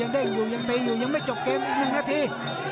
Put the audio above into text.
เด้งอยู่ยังตีอยู่ยังไม่จบเกมอีก๑นาที